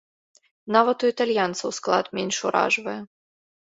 Нават у італьянцаў склад менш уражвае.